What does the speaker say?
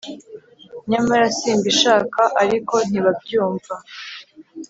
nyamara simbishaka ariko ntibabyumva!